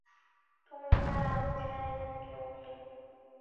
তুমি আর আমি ছাড়া এখানে কেউ নেই।